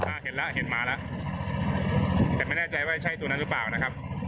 เหมือนเช่นทางเดินไปเที่ยวเลย